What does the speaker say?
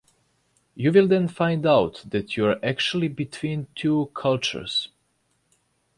You will then find out that you are actually between two cultures.